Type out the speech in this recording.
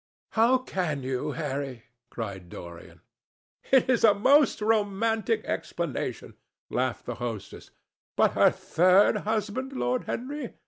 "How can you, Harry!" cried Dorian. "It is a most romantic explanation," laughed the hostess. "But her third husband, Lord Henry!